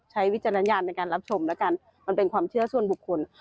วิจารณญาณในการรับชมแล้วกันมันเป็นความเชื่อส่วนบุคคล